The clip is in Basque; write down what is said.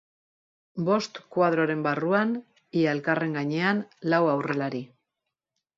Bost kuadroren barruan, ia elkarren gainean, lau aurrelari.